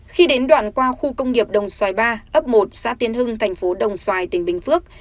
khi đến đoạn qua khu công nghiệp đồng xoài ba ấp một xã tiến hưng tp đồng xoài tỉnh bình phước